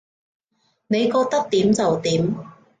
你覺得點就點